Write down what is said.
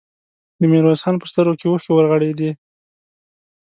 د ميرويس خان په سترګو کې اوښکې ورغړېدې.